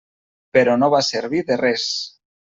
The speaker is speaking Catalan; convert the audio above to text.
Però no va servir de res.